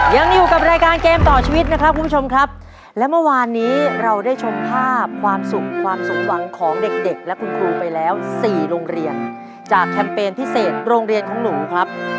ยังอยู่กับรายการเกมต่อชีวิตนะครับคุณผู้ชมครับและเมื่อวานนี้เราได้ชมภาพความสุขความสมหวังของเด็กเด็กและคุณครูไปแล้ว๔โรงเรียนจากแคมเปญพิเศษโรงเรียนของหนูครับ